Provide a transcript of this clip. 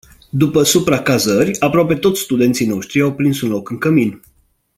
După supracazări, aproape toți studenții noștri au prins un loc în cămin.